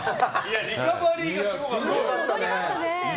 リカバリーがすごかった。